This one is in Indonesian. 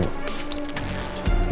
gue balik ya